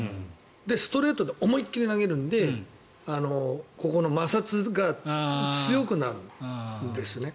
ストレートで思い切り投げるのでここの摩擦が強くなるんですね。